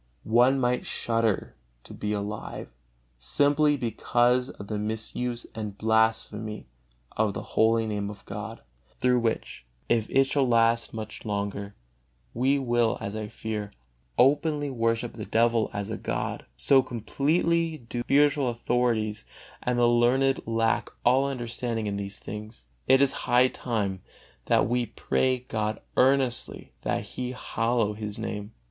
One might shudder to be alive, simply because of the misuse and blasphemy of the holy Name of God; through which, if it shall last much longer, we will, as I fear, openly worship the devil as a god; so completely do the spiritual authorities and the learned lack all understanding in these things. It is high time that we pray God earnestly that He hallow His Name.